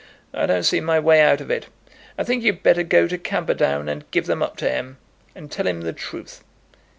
I don't see my way out of it. I think you'd better go to Camperdown, and give them up to him, and tell him the truth."